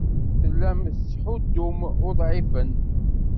Tellam tettḥuddum uḍɛifen.